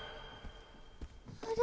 あれ？